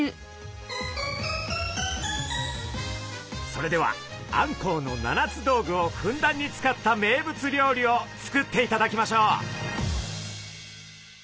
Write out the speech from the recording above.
それではあんこうの七つ道具をふんだんに使った名物料理を作っていただきましょう。